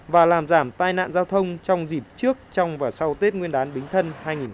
và làm giảm tai nạn giao thông trong dịp trước trong và sau tết nguyên đán bính thân hai nghìn hai mươi